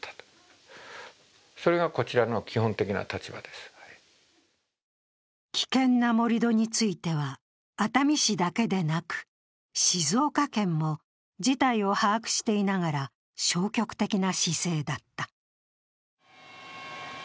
Ｂ氏の代理人は危険な盛り土については、熱海市だけでなく静岡県も事態を把握していながら消極的な姿勢だった。